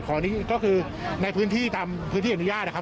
ก็คือในพื้นที่ตามพื้นที่อนุญาตนะครับ